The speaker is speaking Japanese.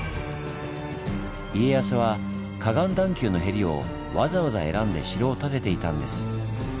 家康は河岸段丘のへりをわざわざ選んで城を建てていたんです。